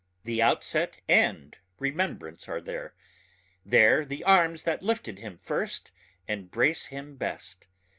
The outset and remembrance are there ... there the arms that lifted him first and brace him best